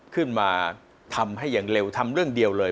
ขึ้นมาทำให้อย่างเร็วทำเรื่องเดียวเลย